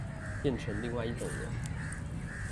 變成另外一種人